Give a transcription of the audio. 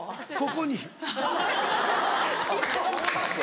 ここに。